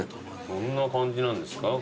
どんな感じなんですか？